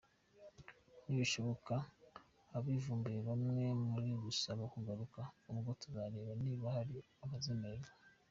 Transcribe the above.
Nibishoboka abivumbuye bamwe bari gusaba kugaruka, ubwo tuzareba niba hari abazemererwa.